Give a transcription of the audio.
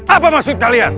apa maksud kalian